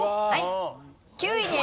はい。